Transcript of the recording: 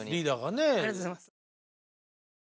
ありがとうございます。